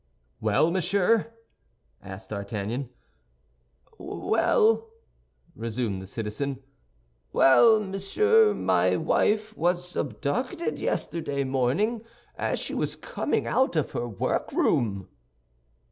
"Well, monsieur?" asked D'Artagnan. "Well!" resumed the citizen, "well, monsieur, my wife was abducted yesterday morning, as she was coming out of her workroom."